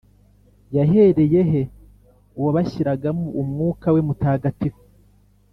yahereye he, uwabashyiragamo umwuka we mutagatifu?